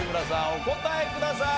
お答えください。